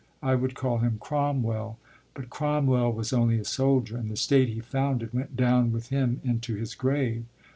I would call him Cromwell, but Cromwell was only a soldier, and the state he founded went down with him into his grave.